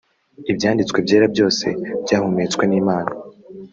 ibyanditswe byera byose byahumetswe n imana